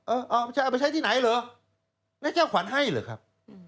เอาไปใช้ที่ไหนเหรอแล้วเจ้าขวัญให้เหรอครับ